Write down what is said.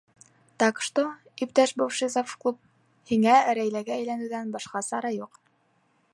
Так что, иптәш бывший завклуб, һиңә Рәйләгә әйләнеүҙән башҡа сара юҡ.